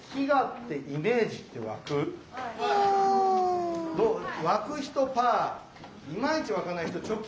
わく人パーいまいちわかない人チョキ